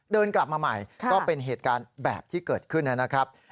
เดินกลับมาใหม่ก็เป็นเหตุการณ์แบบที่เกิดขึ้นนะครับ